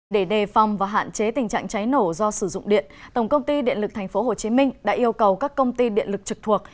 để đề phòng và hạn chế tình trạng cháy nổ do sử dụng điện tổng công ty điện lực tp hcm đã yêu cầu các công ty điện lực trực thuộc